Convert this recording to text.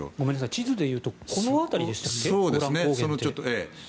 地図でいうとこの辺りでしょうか。